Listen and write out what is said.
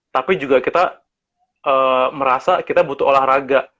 tapi juga kita merasa kita butuh olahraga